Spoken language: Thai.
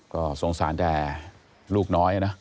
ก็สงสารแต่ลูกน้อยนะ